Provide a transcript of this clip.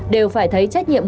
đều phải thấy trách nhiệm